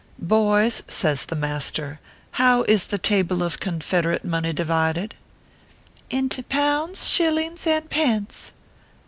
" Boys/ says the master, " how is the table of Confederate money divided ?"" Into pounds, shillings, and pence."